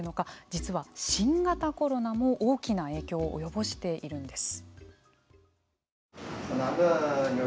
実は新型コロナも大きな影響を及ぼしているんです。